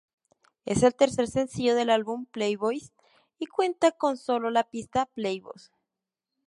Es el tercer sencillo del álbum "Playboys", y cuenta con sólo la pista "Playboys".